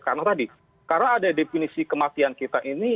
karena tadi karena ada definisi kematian kita ini